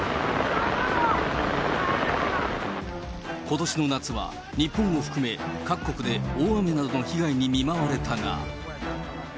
ことしの夏は、日本を含め、各国で大雨などの被害に見舞われたが。